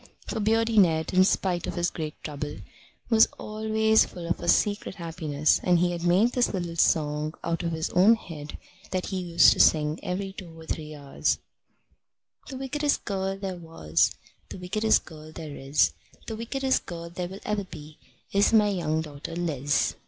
For Beardy Ned, in spite of his great trouble, was always full of a secret happiness, and he had made this little song out of his own head that he used to sing every two or three hours: The wickedest girl there was, The wickedest girl there is, The wickedest girl there ever will be Is my young daughter Liz.